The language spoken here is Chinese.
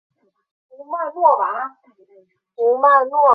冲绳县的县名取自于冲绳本岛。